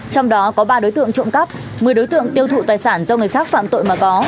trong đó có ba đối tượng trộm cắp một mươi đối tượng tiêu thụ tài sản do người khác phạm tội mà có